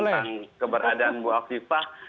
tentang keberadaan bu afifah